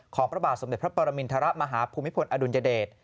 พระบาทสมเด็จพระปรมินทรมาฮภูมิพลอดุลยเดช